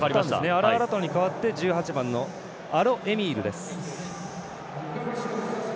アラアラトアに代わってアロエミールです。